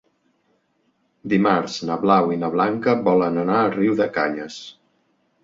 Dimarts na Blau i na Blanca volen anar a Riudecanyes.